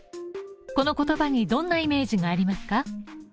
この言葉にどんなイメージがありますか？